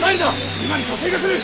今に加勢が来る！